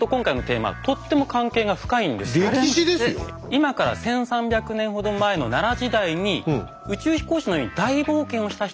今から１，３００年ほど前の奈良時代に宇宙飛行士のように大冒険をした人たちがいました。